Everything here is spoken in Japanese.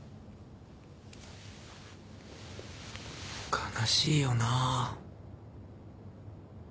悲しいよな。